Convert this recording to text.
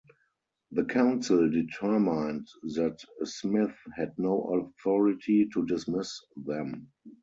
The council determined that Smith had no authority to dismiss them.